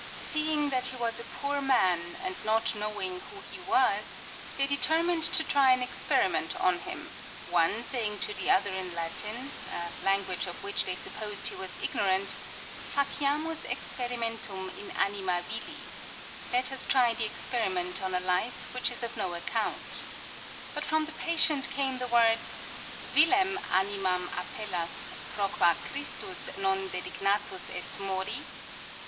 Seeing that he was a poor man, and not knowing who he was, they determined to try an experiment on him, one saying to the other in Latin, a language of which they supposed he was ignorant, " Faciamus ex perimentum in anima vili "(" Let us try the experiment on a life which is of no account "); but from the patient came the words, " Vilem animam appellas pro qua Christus non dedignatus est mori